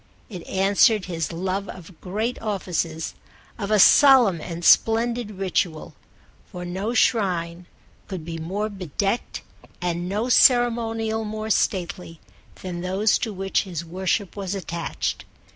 It answered his love of great offices, of a solemn and splendid ritual; for no shrine could be more bedecked and no ceremonial more stately than those to which his worship was attached.